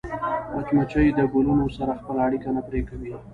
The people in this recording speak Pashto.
مچمچۍ د ګلونو سره خپله اړیکه نه پرې کوي